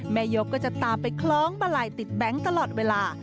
แม่ยกก็จะตามไปคล้องบลายติดแบงค์ตลอดเวลา